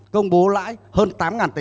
công bố lãi hơn tám ngàn tỷ